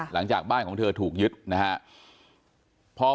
หลังจากบ้านของเธอถูกยึดนะครับ